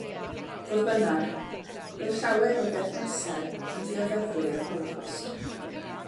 Fodd bynnag, roedd llawer o'i berthnasau yn ddioddefwyr yr Holocost.